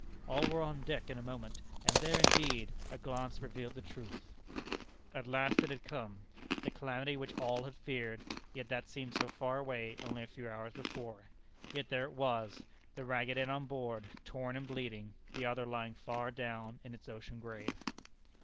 All were on deck in a moment, and there, indeed, a glance revealed the truth." At last it had come the calamity which all had feared, yet that seemed so far away only a few hours before. Yet there it was the ragged end on board, torn and bleeding, the other lying far down in its ocean grave.